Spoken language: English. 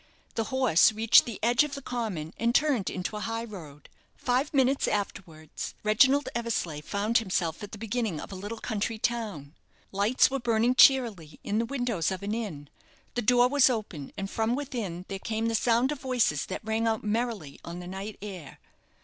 The horse reached the edge of the common and turned into a high road. Five minutes afterwards Reginald Eversleigh found himself at the beginning of a little country town. Lights were burning cheerily in the windows of an inn. The door was open, and from within there came the sound of voices that rang out merrily on the night air.